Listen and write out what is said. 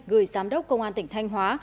gửi giám đốc công an tỉnh thanh hóa